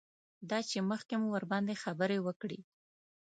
دا چې مخکې مو ورباندې خبرې وکړې.